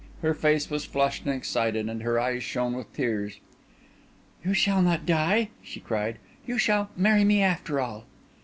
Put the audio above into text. Her face was flushed and excited, and her eyes shone with tears. "You shall not die!" she cried, "you shall marry me after all."